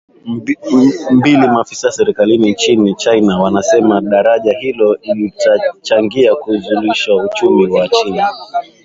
mbili Maafisa wa serikali nchini China wanasema daraja hilo litachangia kuuzalishia uchumi wa China